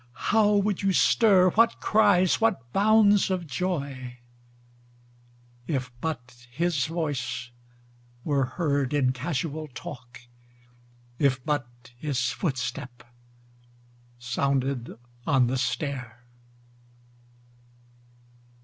How would you stir, what cries, what bounds of joy, If but his voice were heard in casual talk, If but his footstep sounded on the stair